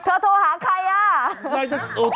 เธอโทรหาใครอ่ะ